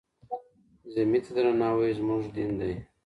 ذمي ته درناوی زموږ دین دی.